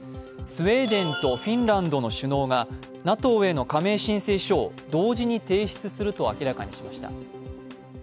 スウェーデンとフィンランドの首脳がＮＡＴＯへの加盟申請書を同時に提出すると明らかにしました。